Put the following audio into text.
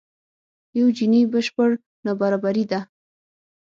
یو جیني بشپړ نابرابري ده.